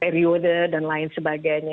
periode dan lain sebagainya